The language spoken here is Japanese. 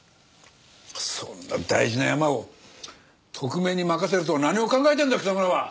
そんな大事なヤマを特命に任せるとは何を考えてるんだ貴様らは！